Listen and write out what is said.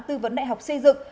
tư vấn đại học xây dựng